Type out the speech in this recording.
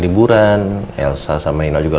liburan elsa sama nino juga